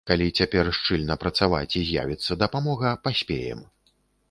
Калі цяпер шчыльна працаваць і з'явіцца дапамога, паспеем.